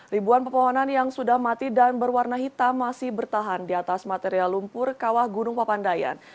ribuan pepohonan yang sudah mati dan berwarna hitam masih bertahan di atas material lumpur kawah gunung papandayan